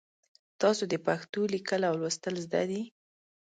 تاسو د پښتو لیکل او لوستل زده دي؟